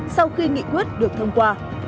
sau khi nghị quyết được thông qua